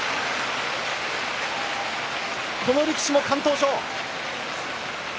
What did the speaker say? この力士も敢闘賞。